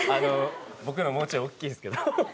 僕のもうちょいおっきいんですけど。